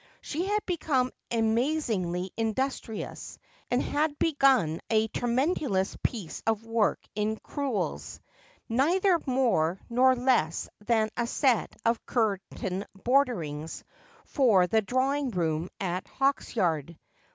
She had become amazingly indus trious, and had begun a tremendous piece of work in crewels, neither more nor less than a set of curtain borderings for the drawing room at Hawksyard.